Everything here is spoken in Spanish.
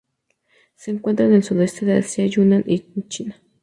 Se encuentra en el sudeste de Asia y Yunnan en China.